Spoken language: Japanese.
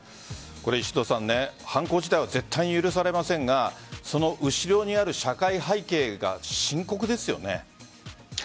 石戸さん、犯行自体は絶対に許されませんが後ろにある社会背景が深刻ですよね。